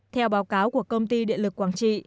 theo báo cáo của công ty điện lực quảng trị